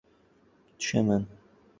— Tushaman!